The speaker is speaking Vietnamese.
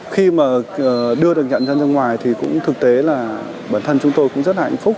khi mà đưa được nhận dân ra ngoài thì cũng thực tế là bản thân chúng tôi cũng rất là hạnh phúc